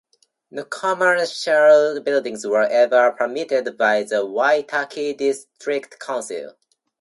No commercial buildings were ever permitted by the Waitaki District Council.